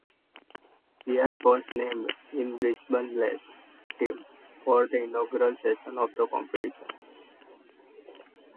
Pearce was named in Brisbane Blaze team for the inaugural season of the competition.